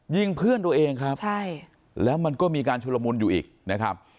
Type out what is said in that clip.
ยิงเพื่อนตัวเองครับใช่แล้วมันก็มีการชุลมุนอยู่อีกนะครับ